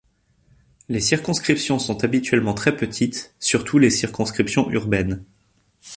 Les circonscriptions sont habituellement très petites, surtout les circonscriptions urbaines.